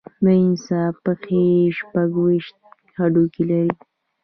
د انسان پښې شپږ ویشت هډوکي لري.